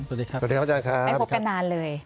สวัสดีครับไม่พบกันนานเลย